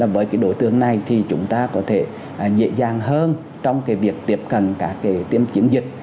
với đối tượng này thì chúng ta có thể dễ dàng hơn trong việc tiếp cận các tiêm chiến dịch